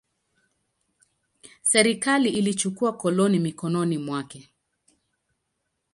Serikali ilichukua koloni mikononi mwake.